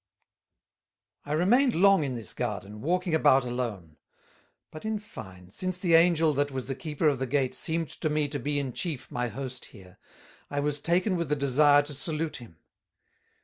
"I remained long in this Garden, walking about alone; but in fine, since the angel that was Keeper of the Gate seemed to me to be in chief my Host here, I was taken with the desire to salute him.